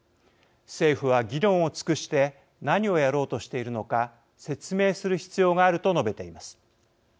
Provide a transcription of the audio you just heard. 政府は議論を尽くして何をやろうとしているのか説明する必要があると述べています。